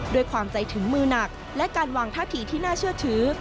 ด้วยความใจถึงมือหนักและการวางท่าทีที่น่าเชื่อถือ